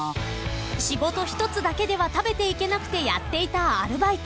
［仕事一つだけでは食べていけなくてやっていたアルバイト］